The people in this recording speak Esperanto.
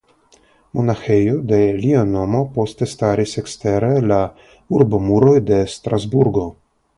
Monaĥejo de lia nomo poste staris ekstere la urbomuroj de Strasburgo.